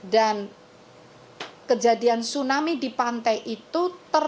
dan kejadian tsunami di pantai itu